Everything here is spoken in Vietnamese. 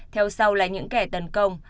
theo sau là những kẻ tấn công